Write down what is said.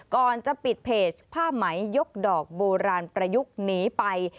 ก่อนจะปิดเพจผ้าไหมยกดอกโบราณประยุกต์หนีไป